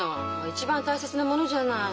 一番大切なものじゃない。